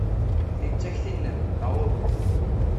Tin d takti-nnem, neɣ uhu?